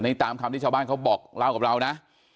นี่ตามคำที่ชาวบ้านเขาบอกเล่ากับเรานะ